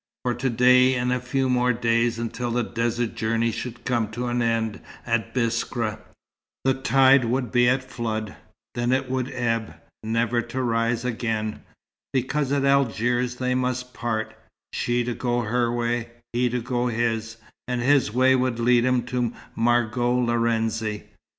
For to day, and the few more days until the desert journey should come to an end at Biskra, the tide would be at flood: then it would ebb, never to rise again, because at Algiers they must part, she to go her way, he to go his; and his way would lead him to Margot Lorenzi.